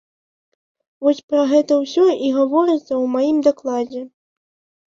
Вось пра гэта ўсё і гаворыцца ў маім дакладзе.